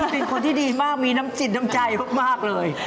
เป็นคนที่ดีมากมีน้ำจิตน้ำใจมากเลย